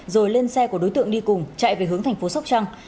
rồi lên xe của đối tượng đi cùng chạy về hướng thành phố sóc trăng